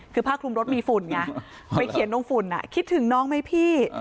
คือผ้าคลุมรถมีฝุ่นไงไปเขียนลงฝุ่นคิดถึงน้องไหมพี่